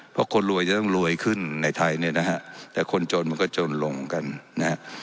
เพราะคนรวยจะต้องรวยขึ้นในไทยเนี่ยนะฮะแต่คนจนมันก็จนลงกันนะฮะ